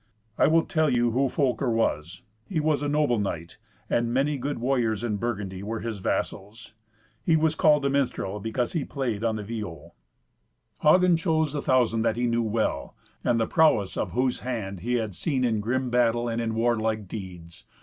I will tell you who Folker was. He was a noble knight, and many good warriors in Burgundy were his vassals. He was called a minstrel because he played on the viol. Hagen chose a thousand that he knew well, and the prowess of whose hand he had seen in grim battle, and in warlike deeds.